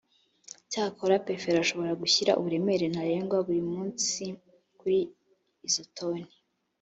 cyakora perefe ashobora gushyira uburemere ntarengwa buri munsi kuri izo toni